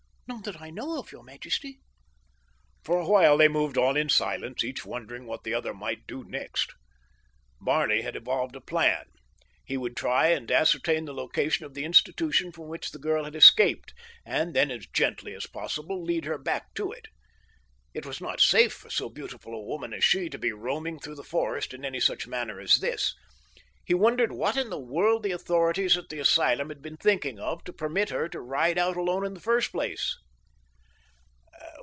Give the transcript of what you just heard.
"None that I know of, your majesty." For a while they moved on in silence, each wondering what the other might do next. Barney had evolved a plan. He would try and ascertain the location of the institution from which the girl had escaped and then as gently as possible lead her back to it. It was not safe for as beautiful a woman as she to be roaming through the forest in any such manner as this. He wondered what in the world the authorities at the asylum had been thinking of to permit her to ride out alone in the first place.